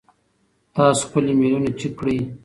تاسو خپل ایمیلونه چیک کړئ.